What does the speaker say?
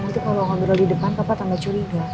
nanti kalau ngobrol di depan bapak tambah curiga